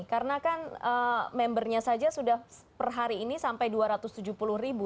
karena kan membernya saja sudah per hari ini sampai dua ratus tujuh puluh ribu